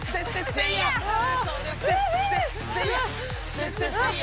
せっせっせいや！